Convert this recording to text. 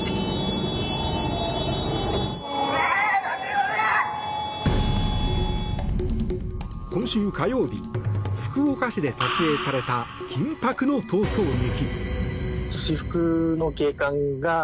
「ＧＯＬＤ」も今週火曜日福岡市で撮影された緊迫の逃走劇。